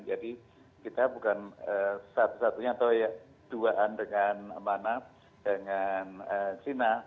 jadi kita bukan satu satunya atau duaan dengan mana dengan china